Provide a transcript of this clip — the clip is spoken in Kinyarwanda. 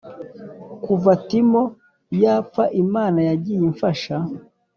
“Kuva Timo yapfa Imana yagiye imfasha